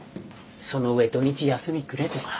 その上土日休みくれとか。